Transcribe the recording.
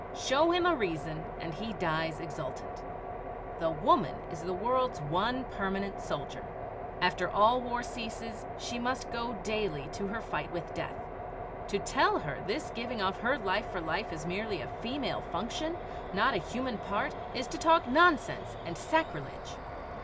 Show him a reason, and he dies exultant. The woman is the world's one permanent soldier. After all war ceases she must go daily to her fight with death. To tell her this giving of her life for life is merely a "female function," not a human part, is to talk nonsense and sacrilege.